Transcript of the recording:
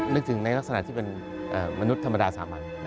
นึกถึงในลักษณะที่เป็นมนุษย์ธรรมดาสามัญ